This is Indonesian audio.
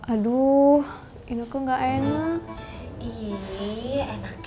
aduh ineke gak enak